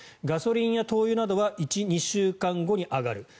ガソリンや灯油などは１２週間後に上がる。